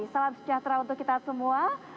salam sejahtera untuk kita semua